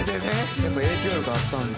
やっぱ影響力あったんだ。